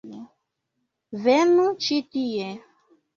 - Venu ĉi tie